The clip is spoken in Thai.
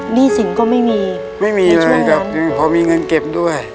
หนี้สินก็ไม่มีในช่วงนั้นไม่มีเลยครับเพราะมีเงินเก็บด้วย